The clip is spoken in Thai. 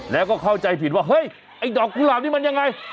แล้วก็เข้าใจผิดว่าเฮ้ยไอ้ดอกกุหลาบนี่มันยังไง